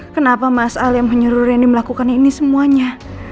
kenapa mas ali yang menyuruh rendy melakukan ini semuanya